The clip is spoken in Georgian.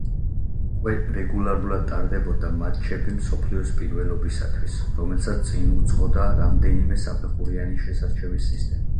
უკვე რეგულარულად ტარდებოდა მატჩები მსოფლიოს პირველობისათვის, რომელსაც წინ უძღოდა რამდენიმე საფეხურიანი შესარჩევი სისტემა.